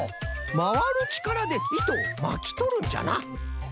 まわるちからでいとをまきとるんじゃな。